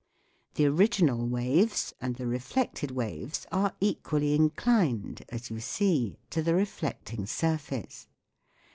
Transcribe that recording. The original waves and the reflected waves are equally inclined, as you see, to the reflecting surface.